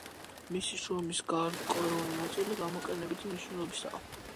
მისი შრომების გარკვეული ნაწილი გამოყენებითი მნიშვნელობისაა.